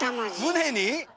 胸に？